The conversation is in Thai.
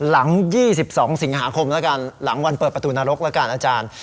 หลัง๒๒สิงหาคมแล้วกันหลังวันเปิดประตูนรกแล้วกันอาจารย์